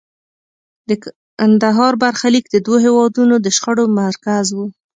د کندهار برخلیک د دوو هېوادونو د شخړو مرکز و.